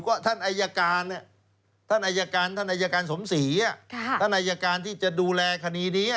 เพราะท่านอัยการสมศรีท่านอัยการที่จะดูแลคณีนี้